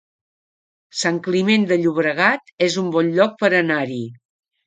Sant Climent de Llobregat es un bon lloc per anar-hi